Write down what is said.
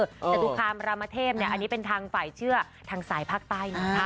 ดูความรามเทพเนี่ยอันนี้เป็นทางฝ่ายเชื่อทางสายภาคใต้